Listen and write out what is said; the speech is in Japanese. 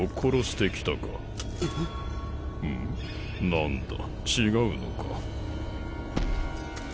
何だ違うのか。